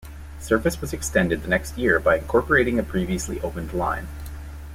Service was extended the next year by incorporating a previously opened line.